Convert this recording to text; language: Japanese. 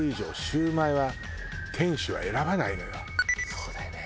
そうだよね。